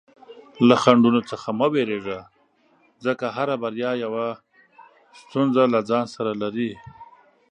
له خنډونو څخه مه ویریږه، ځکه هره بریا یوه ستونزه له ځان سره لري.